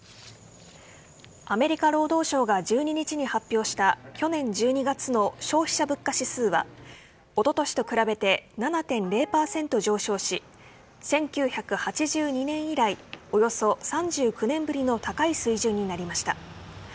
アメリカ労働省が１２日に発表した去年１２月の消費者物価指数はおととしと比べて７．０％上昇し１９８２年以来およそ３９年ぶりの高い水準になりました。